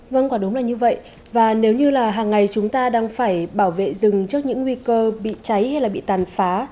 vâng quả đúng là như vậy và nếu như là hàng ngày chúng ta đang phải bảo vệ rừng trước những nguy cơ bị cháy hay bị tàn phá